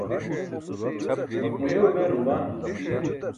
makmayuu beerum baan?